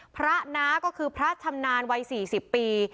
น้าก็คือพระชำนาญวัย๔๐ปี